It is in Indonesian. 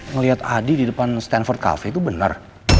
ngeliat adi di depan stanford cafe itu bener